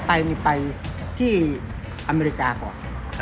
ไปนี่ไปที่อเมริกาก่อน